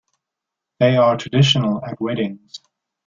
They are traditional at weddings.